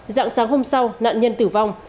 dạng sáng hôm sau nạn nhân tử vong